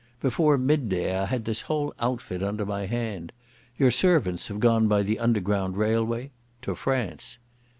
Before midday I had this whole outfit under my hand. Your servants have gone by the Underground Railway—to France.